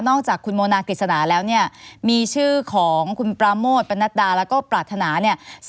จากคุณโมนากฤษณาแล้วเนี่ยมีชื่อของคุณปราโมทปนัดดาแล้วก็ปรารถนาเนี่ย